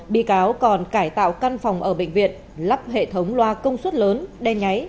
bị cáo còn cải tạo căn phòng ở bệnh viện lắp hệ thống loa công suất lớn đen nháy